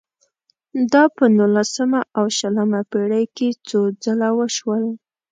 دا په نولسمه او شلمه پېړۍ کې څو ځله وشول.